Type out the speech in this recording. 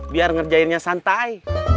biar ngerjainnya santai